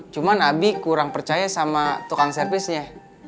cuman abi kurang percaya sama tukang servisnya